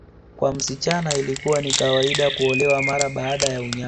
Kwa msichana ilikuwa ni kawaida kuolewa mara baada ya unyago